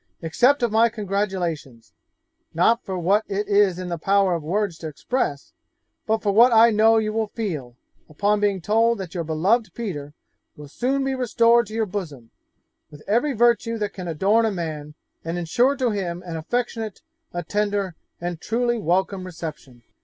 accept of my congratulations not for what it is in the power of words to express but for what I know you will feel, upon being told that your beloved Peter will soon be restored to your bosom, with every virtue that can adorn a man, and ensure to him an affectionate, a tender, and truly welcome reception.'